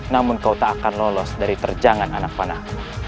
namun kau tak akan lolos dari terjangan anak panah